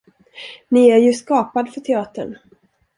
Ni är ju skapad för teatern.